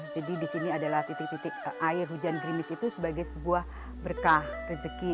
jadi di sini adalah titik titik air hujan grimis itu sebagai sebuah berkah rezeki